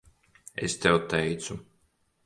Es tev teicu.